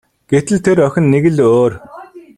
Гэтэл тэр охин нэг л өөр.